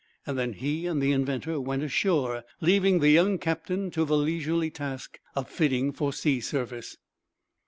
Then he and the inventor went ashore, leaving the young captain to the leisurely task of fitting for sea service.